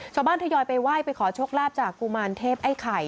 ทยอยไปไหว้ไปขอโชคลาภจากกุมารเทพไอ้ไข่